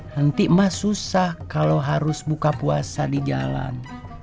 nanti emang susah kalau harus buka puasa di jalan